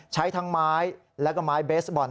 ใช้ทั้งไม้แล้วก็ไม้เบสบอล